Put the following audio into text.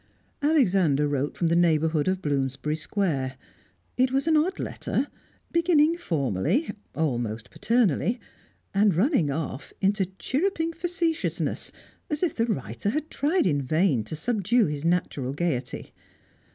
Alexander wrote from the neighbourhood of Bloomsbury Square; it was an odd letter, beginning formally, almost paternally, and running off into chirruping facetiousness, as if the writer had tried in vain to subdue his natural gaiety.